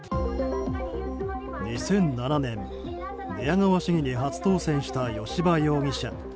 ２００７年、寝屋川市議に初当選した吉羽容疑者。